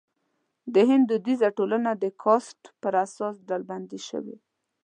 د هند دودیزه ټولنه د کاسټ پر اساس ډلبندي شوې.